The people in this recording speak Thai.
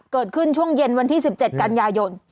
เกิดขึ้นช่วงเย็นวันที่๑๗กันยายน